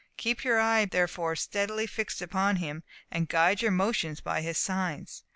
Keep your eye therefore steadily fixed upon him, and guide your motions by his signs.